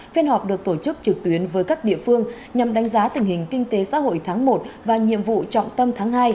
phiên họp được tổ chức trực tuyến với các địa phương nhằm đánh giá tình hình kinh tế xã hội tháng một và nhiệm vụ trọng tâm tháng hai